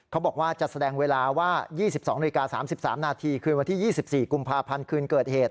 เขาบอกว่าจะแสดงเวลาว่า๒๒นาฬิกา๓๓นาทีคืนวันที่๒๔กุมภาพันธ์คืนเกิดเหตุ